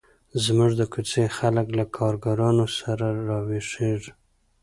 زموږ د کوڅې خلک له کارګرانو سره را ویښیږي.